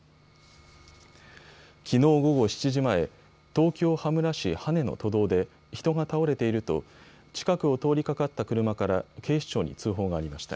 きのう午後７時前、東京羽村市羽の都道で人が倒れていると近くを通りかかった車から警視庁に通報がありました。